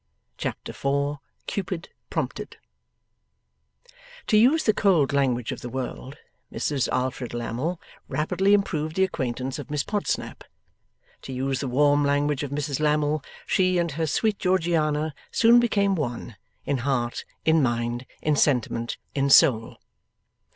Chapter 4 CUPID PROMPTED To use the cold language of the world, Mrs Alfred Lammle rapidly improved the acquaintance of Miss Podsnap. To use the warm language of Mrs Lammle, she and her sweet Georgiana soon became one: in heart, in mind, in sentiment, in soul.